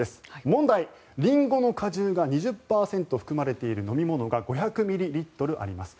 問題、リンゴの果汁が２０％含まれている飲み物が５００ミリリットルあります。